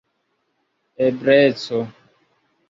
ebleco